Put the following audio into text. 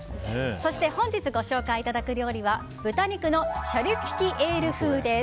そして本日ご紹介いただく料理は豚肉のシャルキュティエール風です。